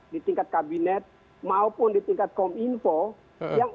di tingkat kabinet maupun di tingkat kominfo yang isinya menyangkut